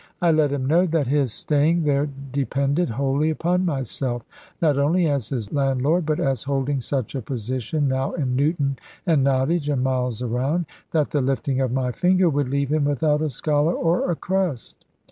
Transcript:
I let him know that his staying there depended wholly upon myself; not only as his landlord, but as holding such a position now in Newton, and Nottage, and miles around, that the lifting of my finger would leave him without a scholar or a crust.